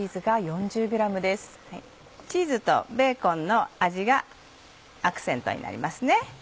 チーズとベーコンの味がアクセントになりますね。